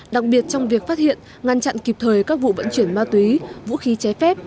đặc biệt trong việc phát hiện ngăn chặn kịp thời các vụ vận chuyển ma túy vũ khí trái phép